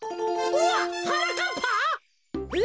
うわっはなかっぱ？え！